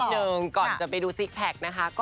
หนึ่งก่อนจะไปดูซิกแพคนะคะ